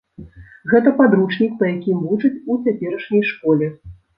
Гэта падручнік, па якім вучаць у цяперашняй школе.